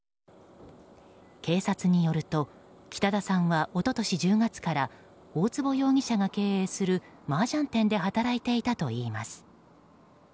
警察によると北田さんは一昨年１０月から大坪容疑者が経営するマージャン店で働いていたといいます。